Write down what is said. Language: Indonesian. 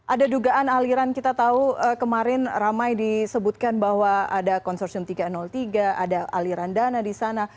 ada dugaan aliran kita tahu kemarin ramai disebutkan bahwa ada konsorsium tiga ratus tiga ada aliran dana di sana